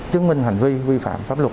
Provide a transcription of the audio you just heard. chứng minh hành vi vi phạm pháp luật